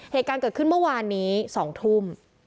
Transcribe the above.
เหตุการณ์เกิดขึ้นเมื่อวานนี้๒ทุ่ม